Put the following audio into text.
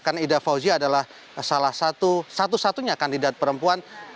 karena ida fauziah adalah salah satu satu satunya kandidat perempuan